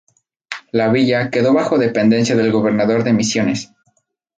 La villa quedó bajo dependencia del gobernador de Misiones.